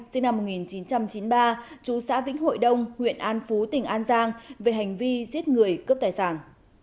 sinh năm một nghìn chín trăm chín mươi ba chú xã vĩnh hội đông huyện an phú tỉnh an giang về hành vi giết người cướp tài sản